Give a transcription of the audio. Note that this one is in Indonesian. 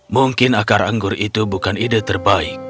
mungkin akar anggur itu bukan ide terbaik